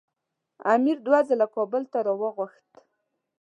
امیر دوه ځله کابل ته راوغوښت.